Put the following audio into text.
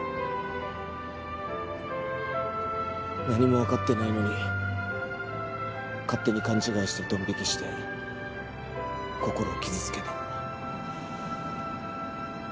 何もわかってないのに勝手に勘違いしてドン引きしてこころを傷つけた。